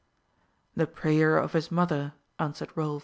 "The prayer of his mother," answered Rolf.